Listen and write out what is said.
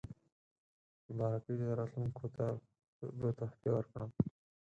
مبارکۍ ته راتلونکو ته به تحفې ورکړم.